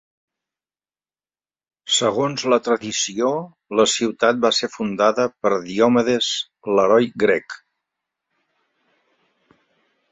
Segons la tradició, la ciutat va ser fundada per Diòmedes, l'heroi grec.